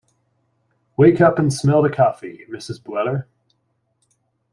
Wake up and smell the coffee, Mrs. Bueller.